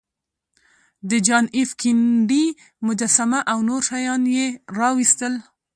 د جان ایف کینیډي مجسمه او نور شیان یې راویستل